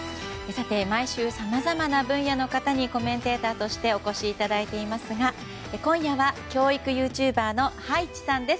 毎週さまざまな分野の方にコメンテーターとしてお越しいただいていますが今夜は教育ユーチューバーの葉一さんです。